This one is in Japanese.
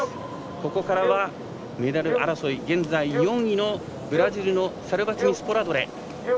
ここからはメダル争い現在４位のブラジルのサルバチニスポラドレ。